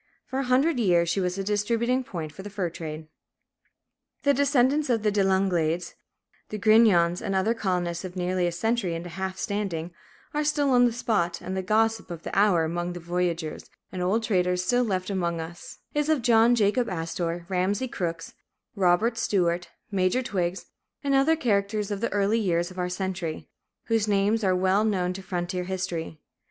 For a hundred years she was a distributing point for the fur trade. The descendants of the De Langlades, the Grignons and other colonists of nearly a century and a half standing, are still on the spot; and the gossip of the hour among the voyageurs and old traders still left among us is of John Jacob Astor, Ramsay Crooks, Robert Stuart, Major Twiggs, and other characters of the early years of our century, whose names are well known to frontier history.